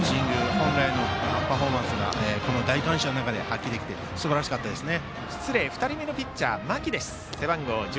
本来のパフォーマンスがこの大観衆の中で発揮できてすばらしかったですね。